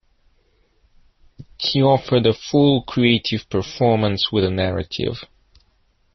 He offered a full, creative performance with a narrative.